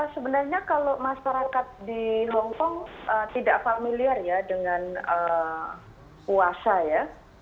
sebenarnya kalau masyarakat di hongkong tidak familiar ya dengan puasa ya